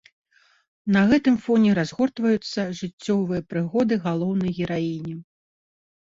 На гэтым фоне разгортваюцца жыццёвыя прыгоды галоўнай гераіні.